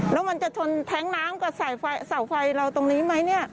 แล้วจะทนแท็งซ์น้ำกับเสาไฟเราตรงนี้ไหม